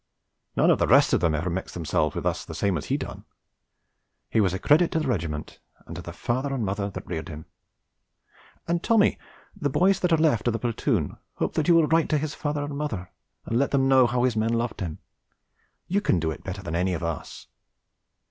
None of the rest of them ever mixed themselves with us the same as he done; he was a credit to the regiment and to the father and mother that reared him; and Tommy the boys that are left of the platoon hopes that you will write to his father and mother and let them know how his men loved him, you can do it better than any of us.